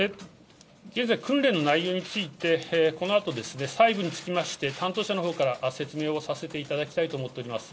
現在、訓練の内容について、このあと細部につきまして担当者のほうから説明をさせていただきたいと思っております。